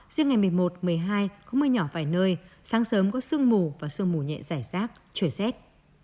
giữa ngày một mươi một một mươi hai có mưa nhỏ vài nơi sáng sớm có sương mù và sương mù nhẹ giải rác trời rét